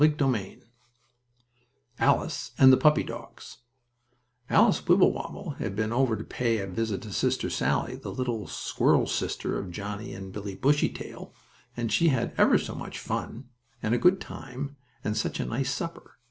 STORY XXVII ALICE AND THE PUPPY DOGS Alice Wibblewobble had been over to pay a visit to Sister Sallie, the little squirrel sister of Johnnie and Billie Bushytail, and she had ever so much fun; and a good time, and such a nice supper!